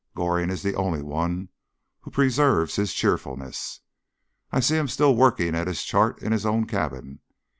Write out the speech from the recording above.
Goring is the only one who preserves his cheerfulness. I see him still working at his chart in his own cabin.